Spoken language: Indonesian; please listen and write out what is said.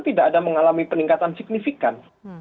tidak ada mengalami peningkatan signifikan